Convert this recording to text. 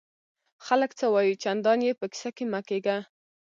خلک څه وایي؟ چندان ئې په کیسه کي مه کېږه!